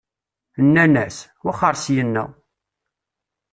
Nnan-as: Wexxeṛ syenna!